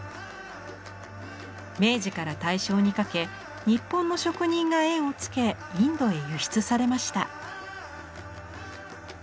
明治から大正にかけ日本の職人が絵を付けインドへ輸出されました。